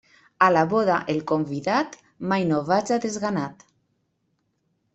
A la boda el convidat mai no vaja desganat.